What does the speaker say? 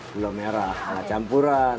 gula merah campuran